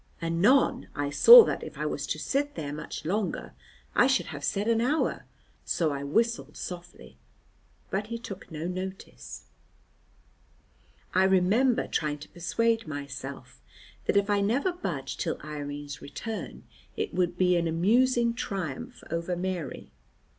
Anon, I saw that if I was to sit there much longer I should have said an hour, so I whistled softly; but he took no notice. I remember trying to persuade myself that if I never budged till Irene's return, it would be an amusing triumph over Mary.